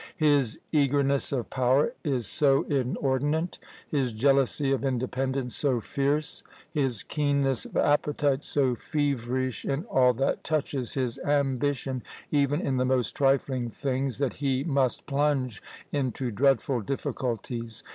"His eagerness of power is so inordinate; his jealousy of independence so fierce; his keenness of appetite so feverish in all that touches his ambition, even in the most trifling things, that he must plunge into dreadful difficulties.